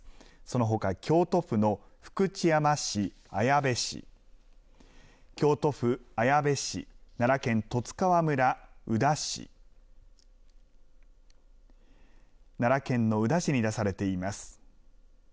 そのほか京都府の福知山市、綾部市、京都府綾部市、奈良県十津川村、宇陀市、奈良県の宇陀市に出されています。